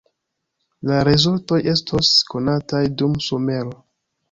La rezultoj estos konataj dum somero.